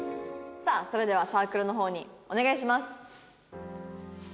さあそれではサークルの方にお願いします。